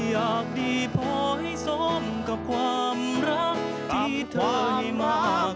อยากดีพอให้สมกับความรักที่เธอให้มาก